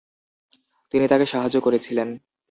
তিনি তাঁকে সাহায্য করেছিলেন।